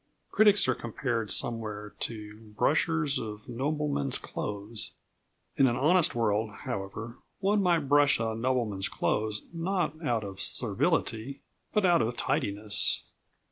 Critics are compared somewhere to "brushers of noblemen's clothes." In an honest world, however, one might brush a nobleman's clothes not out of servility, but out of tidiness.